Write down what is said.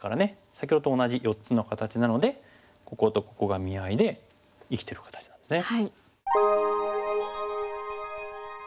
先ほどと同じ４つの形なのでこことここが見合いで生きてる形なんですね。